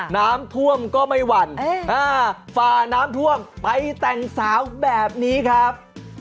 น้ำท่วมก็ไม่หวั่นฝ่าน้ำท่วมไปแต่งสาวแบบนี้ครับ